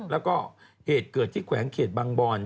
แล้วก็เหตุเกิดที่แขวงเขตบางบอน